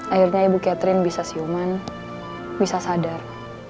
akhirnya ibu catherine bisa siuman bisa sadar